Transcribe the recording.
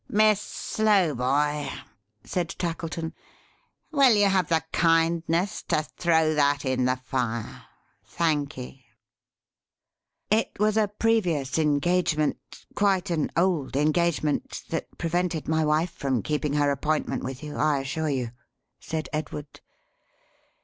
"Miss Slowboy," said Tackleton. "Will you have the kindness to throw that in the fire? Thank'ee." "It was a previous engagement: quite an old engagement: that prevented my wife from keeping her appointment with you, I assure you," said Edward.